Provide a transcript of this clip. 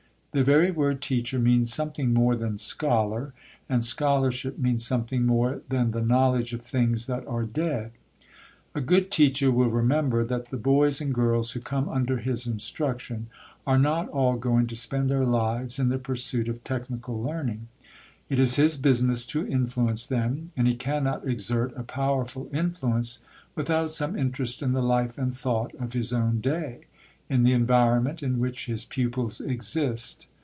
The very word "teacher" means something more than "scholar"; and scholarship means something more than the knowledge of things that are dead. A good teacher will remember that the boys and girls who come under his instruction are not all going to spend their lives in the pursuit of technical learning. It is his business to influence them; and he cannot exert a powerful influence without some interest in the life and thought of his own day, in the environment in which his pupils exist.